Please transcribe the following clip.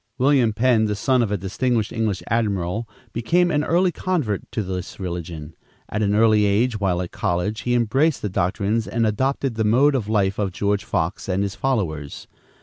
William Penn, the son of a distinguished English admiral, became an early convert to this religion. At an early age, while at college, he embraced the doctrines and adopted the mode of life of George Fox and his followers.